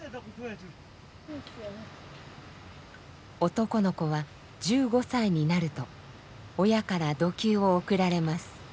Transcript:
男の子は１５歳になると親から弩弓を贈られます。